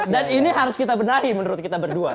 dan ini harus kita benahi menurut kita berdua